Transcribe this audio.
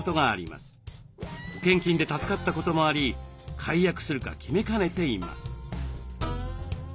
保険金で助かったこともあり解約するか決めかねています。